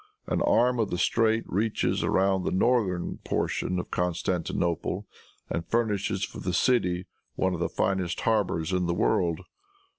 An arm of the strait reaches around the northern portion of Constantinople, and furnishes for the city one of the finest harbors in the world.